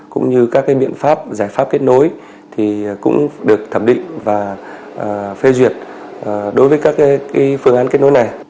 cũng như các biện pháp giải pháp kết nối thì cũng được thẩm định và phê duyệt đối với các phương án kết nối này